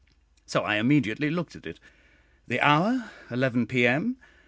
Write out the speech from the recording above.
so I immediately looked at it. The hour 11 P.M.